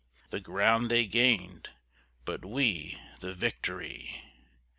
The ground they gained; but we The victory.